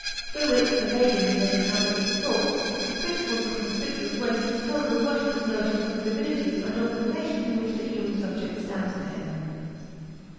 Through its pervading men's habits of thought, the principle of conspicuous waste has colored the worshippers' notions of the divinity and of the relation in which the human subject stands to him.